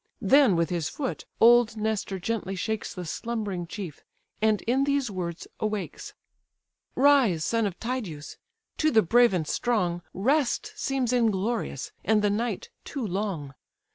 Then, with his foot, old Nestor gently shakes The slumbering chief, and in these words awakes: "Rise, son of Tydeus! to the brave and strong Rest seems inglorious, and the night too long.